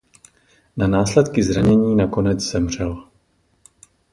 Na následky zranění nakonec zemřel.